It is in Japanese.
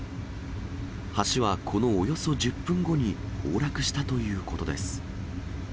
橋はこのおよそ１０分後に、崩落したということです。